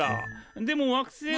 でも惑星は。